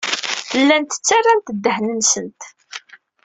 Llant ttarrant ddehn-nsent.